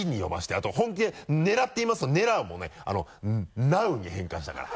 あと「本気で狙っています」の「ねら」もね「ナウ」に変換したから。